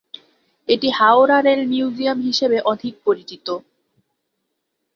এটি Howrah rail museum হিসাবে অধিক পরিচিত।